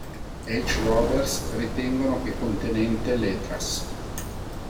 H. Roberts ritengono che contenente letras.